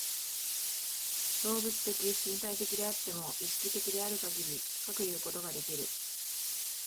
動物的身体的であっても、意識的であるかぎりかくいうことができる。